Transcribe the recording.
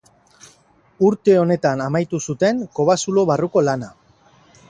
Urte honetan amaitu zuten kobazulo barruko lana.